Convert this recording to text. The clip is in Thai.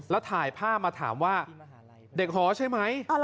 แล้วถ่ายภาพมาถามว่าเด็กหอใช่ไหม